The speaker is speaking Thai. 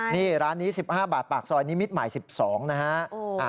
นี่ร้านนี้๑๕บาทปากซอยนิมิตรใหม่๑๒นะฮะ